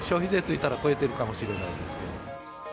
消費税ついたら超えてるかもしれないですね。